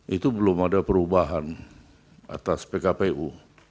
itu belum ada perubahan atas pkpu